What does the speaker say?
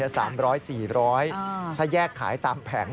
๓๐๐๔๐๐ถ้าแยกขายตามแผง